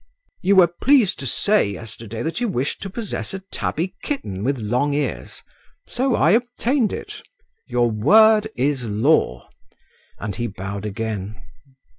"You were pleased to say yesterday that you wished to possess a tabby kitten with long ears … so I obtained it. Your word is law." And he bowed again.